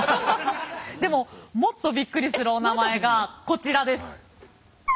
でももっとびっくりするお名前がこちらです。